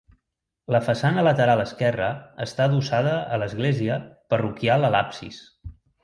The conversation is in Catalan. La façana lateral esquerra està adossada a l'església parroquial a l'absis.